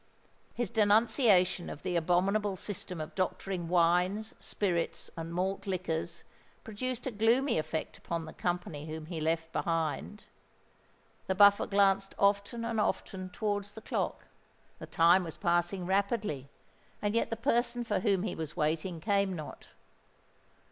His denunciation of the abominable system of doctoring wines, spirits, and malt liquors produced a gloomy effect upon the company whom he left behind. The Buffer glanced often and often towards the clock: the time was passing rapidly; and yet the person for whom he was waiting came not.